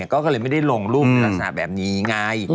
ก็เลยไม่ได้ลงรูปในลักษณะแบบนี้ไง